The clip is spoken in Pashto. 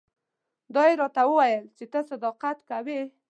دا یې راته وویل چې ته صداقت کوې.